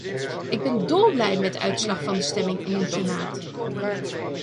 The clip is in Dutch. Ik ben dolblij met uitslag van de stemming in uw senaat.